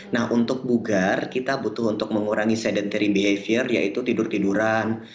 nah untuk bugar kita butuh untuk mengurangi sedentary behavior yaitu tidur tiduran